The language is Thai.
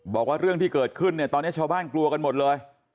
บอกว่าเรื่องที่เกิดขึ้นเนี่ยตอนนี้ชาวบ้านกลัวกันหมดเลย